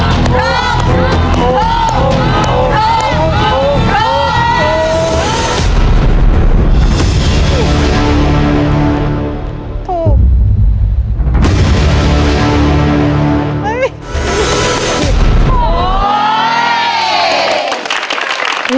ถูกถูกถูกถูกถูกถูก